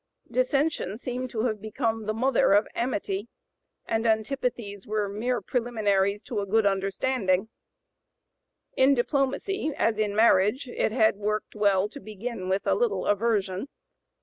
Dissension seemed to have become the mother of amity; and antipathies were mere preliminaries to a good understanding; in diplomacy as in marriage it had worked well to begin with a little aversion.